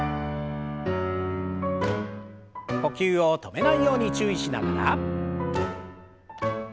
呼吸を止めないように注意しながら。